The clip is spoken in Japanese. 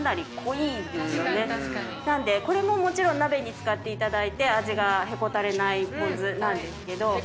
なんでこれももちろん鍋に使っていただいて味がへこたれないぽん酢なんですけど。